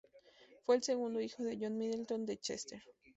Fue el segundo hijo de John Middleton de Chester.